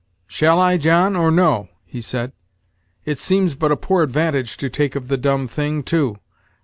"Shall I, John or no?" he said. "It seems but a poor advantage to take of the dumb thing, too.